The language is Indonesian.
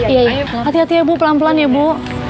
iya iya hati hati ya bu pelan pelan ya bu